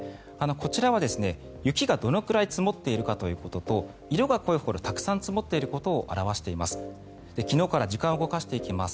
こちらは雪がどのくらい積もっているかということと色が濃いほどたくさん積もっていることを表しています。